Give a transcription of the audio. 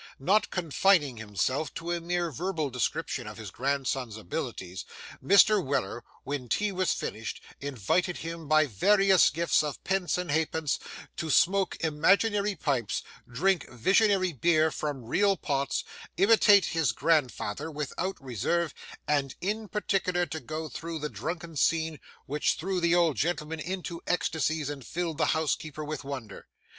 Not confining himself to a mere verbal description of his grandson's abilities, Mr. Weller, when tea was finished, invited him by various gifts of pence and halfpence to smoke imaginary pipes, drink visionary beer from real pots, imitate his grandfather without reserve, and in particular to go through the drunken scene, which threw the old gentleman into ecstasies and filled the housekeeper with wonder.